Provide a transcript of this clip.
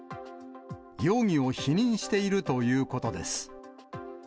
容疑を否認しているというこ